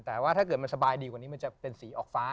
แต่ว่าถ้าเกิดมันสบายดีกว่านี้มันจะเป็นสีออกฟ้า